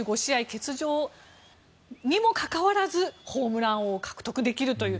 欠場にもかかわらずホームラン王を獲得できるという。